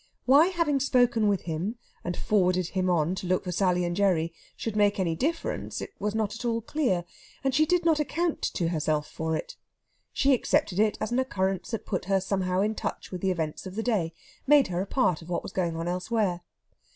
Why having spoken with him and forwarded him on to look for Sally and Gerry should make any difference was not at all clear, and she did not account to herself for it. She accepted it as an occurrence that put her somehow in touch with the events of the day made her a part of what was going on elsewhere.